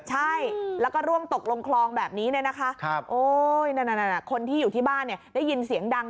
ใช่แล้วก็ร่วงตกลงคลองแบบนี้นะคนที่อยู่ที่บ้านได้ยินเสียงดัง